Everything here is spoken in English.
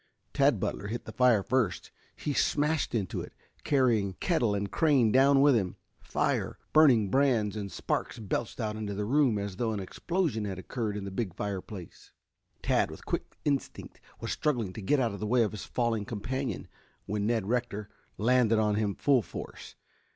Tad Butler hit the fire first. He smashed into it, carrying kettle and crane down with him. Fire, burning brands and sparks belched out into the room as though an explosion had occurred in the big fireplace. Tad with quick instinct was struggling to get out of the way of his falling companion, when Ned Rector landed on him full force.